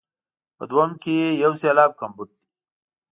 په دوهم کې یو سېلاب کمبود دی.